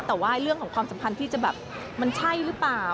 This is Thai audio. แต่ว่าเรื่องของความสัมพันธ์ที่จะแบบมันใช่หรือเปล่า